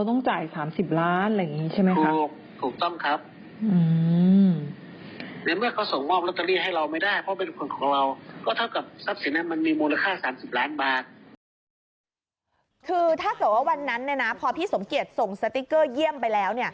คือถ้าเกิดว่าวันนั้นเนี่ยนะพอพี่สมเกียจส่งสติ๊กเกอร์เยี่ยมไปแล้ว